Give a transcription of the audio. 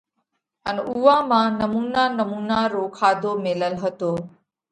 ان اُوئا مانه نمُونا نمُونا رو کاڌو ميلل هتو۔